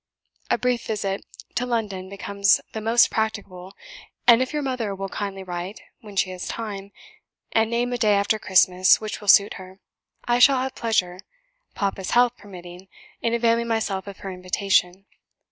"A brief visit to London becomes thus more practicable, and if your mother will kindly write, when she has time, and name a day after Christmas which will suit her, I shall have pleasure, papa's health permitting, in availing myself of her invitation.